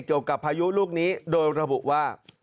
เกี่ยวกับพายุลูกนี้โดยระบุว่า